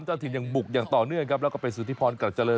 เจ้าถิ่นยังบุกอย่างต่อเนื่องครับแล้วก็เป็นสุธิพรกลับเจริญ